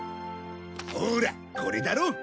ほらこれだろ？